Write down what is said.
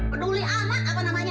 peduli amat apa namanya